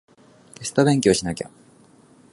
テスト勉強しなきゃ